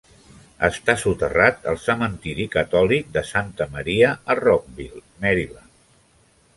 Està soterrat al cementiri catòlic de Santa Maria a Rockville, Maryland.